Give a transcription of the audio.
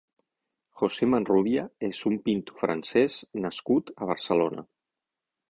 José Manrubia és un pintor francès nascut a Barcelona.